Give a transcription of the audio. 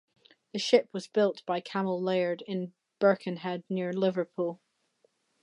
The ship was built by Cammell Laird in Birkenhead near Liverpool.